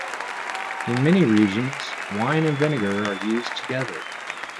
In many regions, wine and vinegar are used together.